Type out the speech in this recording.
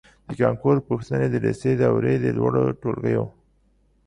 د کانکور پوښتنې د لېسې دورې د لوړو ټولګیو